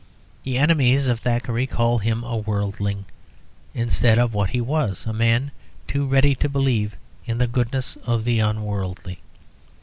The enemies of Thackeray call him a worldling, instead of what he was, a man too ready to believe in the goodness of the unworldly.